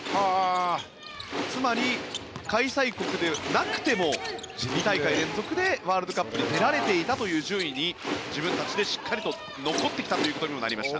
つまり、開催国でなくても２大会連続でワールドカップに出られていたという順位に自分たちでしっかりと残ってきたということになりました。